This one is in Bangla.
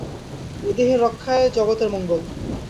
এ দেহের রক্ষায় জগতের মঙ্গল।